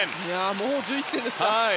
もう１１点ですか。